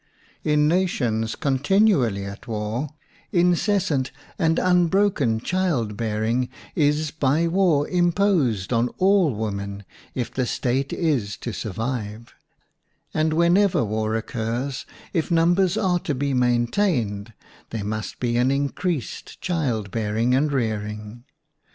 In nations continu ally at war, incessant and unbroken child bearing is by war imposed on all women if the state is to survive; and whenever war occurs, if numbers are to be maintained, there must be an in creased child bearing and rearing.